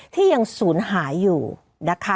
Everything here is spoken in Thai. ที่ยังศูนย์หายอยู่นะคะ